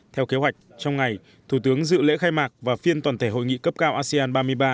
theo kế hoạch trong ngày thủ tướng dự lễ khai mạc và phiên toàn thể hội nghị cấp cao asean ba mươi ba